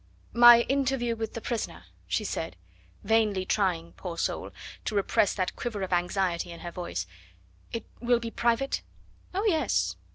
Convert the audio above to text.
"My interview with the prisoner," she said, vainly trying, poor soul! to repress that quiver of anxiety in her voice, "it will be private?" "Oh, yes!